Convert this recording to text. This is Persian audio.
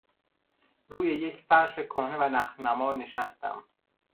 روی یک فرش کهنه و نخنما نشستم.